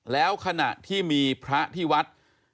แล้วขณะที่มีพระที่วัด